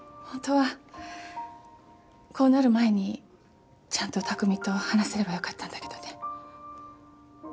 ホントはこうなる前にちゃんと拓海と話せればよかったんだけどね。